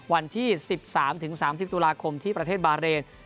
วันที่๑๓๓๐ตุลาคมที่ประเทศบาเรน